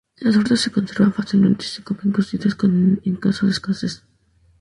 Las frutas se conservan fácilmente y se comen cocidas en caso de escasez.